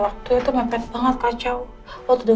aku baru bisa datang sekarang dan